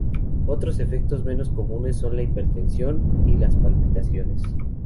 Otros efectos menos comunes son la hipertensión y las palpitaciones.